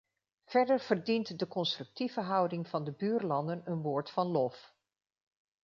Verder verdient de constructieve houding van de buurlanden een woord van lof.